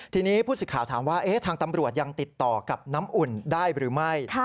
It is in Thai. ทีนี้ผู้สิทธิ์ข่าวถามว่าทางตำรวจยังติดต่อกับน้ำอุ่นได้หรือไม่